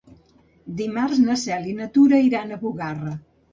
Dimarts na Cel i na Tura iran a Bugarra.